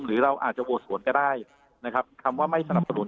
หรือเราอาจจะโหวตสวนก็ได้นะครับคำว่าไม่สนับสนุน